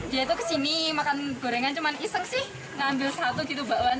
dia itu kesini makan gorengan cuman iseng sih ngambil satu gitu bakwan